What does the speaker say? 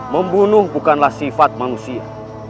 membunuh bukanlah sifat manusia